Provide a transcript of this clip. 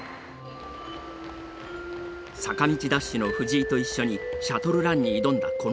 坂道ダッシュの藤井と一緒にシャトルランに挑んだこの男。